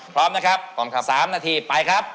พร้อมนะครับ๓นาทีไปครับ